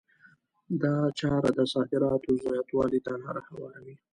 دا چاره د صادراتو زیاتوالي ته لار هواروي.